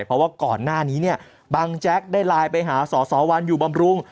เพราะว่าก่อนหน้านี้เนี่ยบังแจ๊กได้ไลน์ไปหาสสวันอยู่บำรุง